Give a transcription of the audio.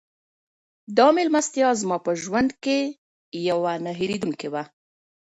دا مېلمستیا زما په ژوند کې یوه نه هېرېدونکې وه.